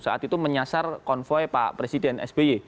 saat itu menyasar konvoy pak presiden sby